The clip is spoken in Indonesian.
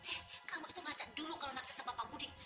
eh kamu itu ngajak dulu kalau nasi sama pak budi